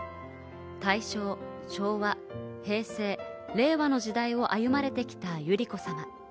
大正、昭和、平成、令和の時代を歩まれてきた百合子さま。